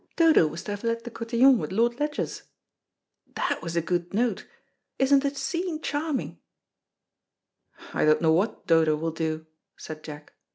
Dodo was to have led the cotillion with Lord Ledgers. That was a good note. Isn't the scene charming?" "I don't know what Dodo will do," said Jack.